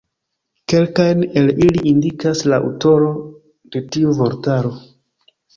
Kelkajn el ili indikas la aŭtoro de tiu vortaro.